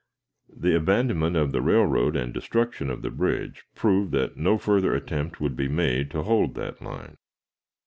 The abandonment of the railroad and destruction of the bridge proved that no further attempt would be made to hold that line.